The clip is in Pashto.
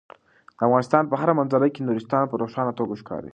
د افغانستان په هره منظره کې نورستان په روښانه توګه ښکاري.